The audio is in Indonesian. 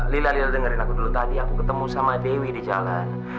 lila lila dengerin aku dulu tadi aku ketemu sama dewi di jalan